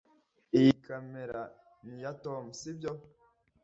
iyi kamera ni iya tom, sibyo?